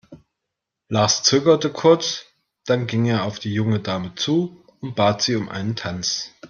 Lars zögerte kurz, dann ging er auf die junge Dame zu und bat sie um einen Tanz.